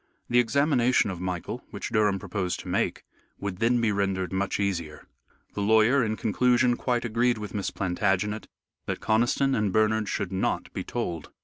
The examination of Michael which Durham proposed to make, would then be rendered much easier. The lawyer, in conclusion, quite agreed with Miss Plantagenet that Conniston and Bernard should not be told.